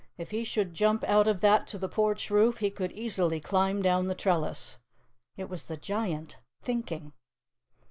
If he should jump out of that to the porch roof, he could easily climb down the trellis." _It was the Giant, thinking!